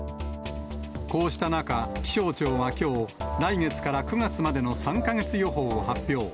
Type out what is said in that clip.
こうした中、気象庁はきょう、来月から９月までの３か月予報を発表。